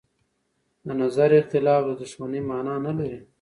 د نظر اختلاف د دښمنۍ مانا نه لري